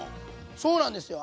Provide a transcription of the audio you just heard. そうなんですよ。